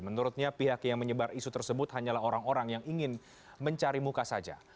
menurutnya pihak yang menyebar isu tersebut hanyalah orang orang yang ingin mencari muka saja